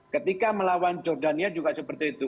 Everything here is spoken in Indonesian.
ketika melawan jordania juga seperti itu